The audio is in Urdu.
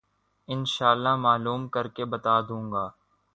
ان شاءاللہ معلوم کر کے بتا دوں گا۔